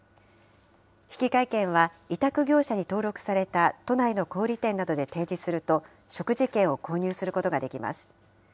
引換券は、委託業者に登録された都内の小売り店などで提示すると、食事券を購入することができます。